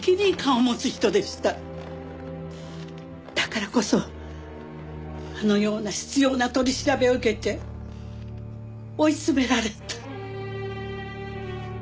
だからこそあのような執拗な取り調べを受けて追い詰められた。